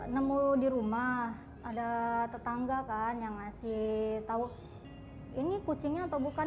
nemu di rumah ada tetangga kan yang ngasih tahu ini kucingnya atau bukan